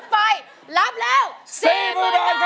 ไม่ร้อง